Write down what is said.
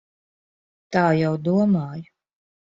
Tā jau domāju.